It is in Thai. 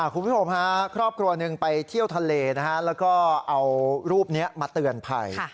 คุณผู้ชมฮะครอบครัวหนึ่งไปเที่ยวทะเลนะฮะแล้วก็เอารูปนี้มาเตือนภัย